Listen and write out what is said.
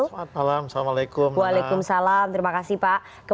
selamat malam assalamualaikum terima kasih pak